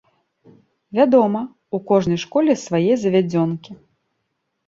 Вядома, у кожнай школе свае завядзёнкі.